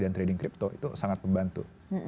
andi mining itu sangat membantu pun